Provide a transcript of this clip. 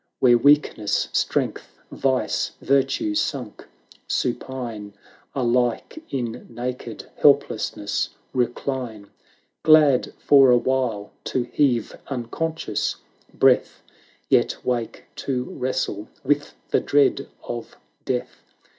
Where Weakness — Strength — Vice — Virtue — sunk supine. 640 Alike in naked helplessness recUne: Glad for a while to heave unconscious breath. Yet wake to wrestle with the dread of Death.